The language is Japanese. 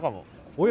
おや！